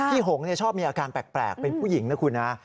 พี่หงค์เนี่ยชอบมีอาการแปลกเป็นผู้หญิงนะครูนะ